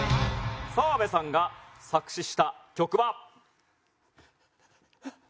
澤部さんが作詞した曲は。いった！